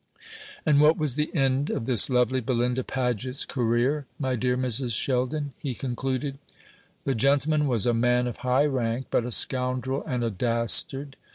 "And what was the end of this lovely Belinda Paget's career, my dear Mrs. Sheldon?" he concluded. "The gentleman was a man of high rank, but a scoundrel and a dastard.